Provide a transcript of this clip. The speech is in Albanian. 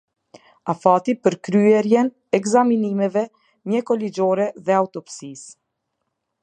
Afati për kryerjen ekzaminimeve mjekoligjore dhe autopsisë.